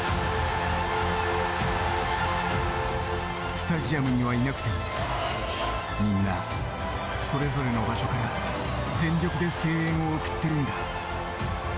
スタジアムにはいなくても、みんなそれぞれの場所から全力で声援を送っているんだ。